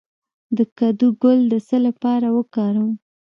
د کدو ګل د څه لپاره وکاروم؟